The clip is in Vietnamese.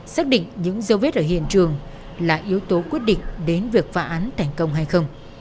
xác định những dấu vết ở hiện trường là yếu tố quyết định đến việc phá án thành công hay không